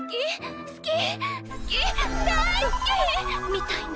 みたいな。